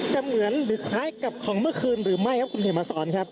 เหมือนหรือคล้ายกับของเมื่อคืนหรือไม่ครับคุณเขียนมาสอนครับ